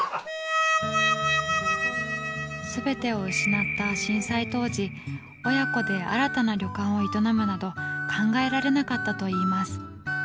すべてを失った震災当時親子で新たな旅館を営むなど考えられなかったといいます。